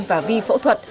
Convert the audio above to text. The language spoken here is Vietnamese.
và vi phẫu thuật